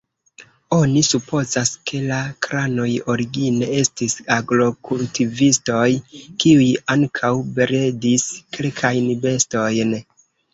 Oni supozas, ke la kranoj origine estis agrokultivistoj, kiuj ankaŭ bredis kelkajn bestojn.